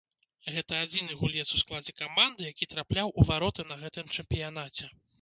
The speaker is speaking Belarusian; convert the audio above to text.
Гэта адзіны гулец у складзе каманды, які трапляў у вароты на гэтым чэмпіянаце.